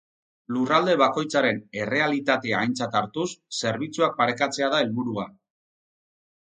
Lurralde bakoitzaren errealitatea aintzat hartuz, zerbitzuak parekatzea da helburua.